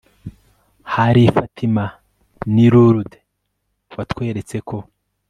hari i fatima n'i lourdes; watweretse ko